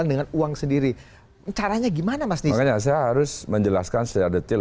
makanya saya harus menjelaskan secara detail